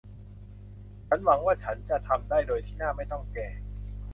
ฉันหวังว่าฉันจะทำได้โดยที่หน้าไม่ต้องแก่